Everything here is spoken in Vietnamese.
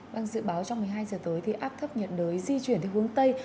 vâng dự báo trong một mươi hai giờ tới thì áp thấp nhiệt đới di chuyển theo hướng tây